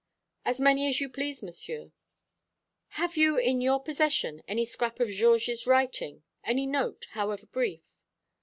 "As many as you please, Monsieur." "Have you in your possession any scrap of Georges' writing any note, however brief?"